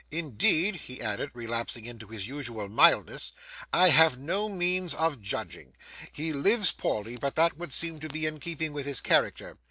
Indeed,' he added, relapsing into his usual mildness, 'I have no means of judging. He lives poorly, but that would seem to be in keeping with his character.